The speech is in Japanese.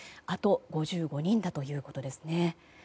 あと５５人だということです。